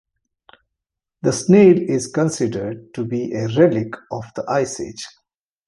The snail is considered a to be a relic of the ice age.